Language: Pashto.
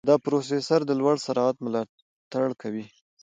دا پروسېسر د لوړ سرعت ملاتړ کوي.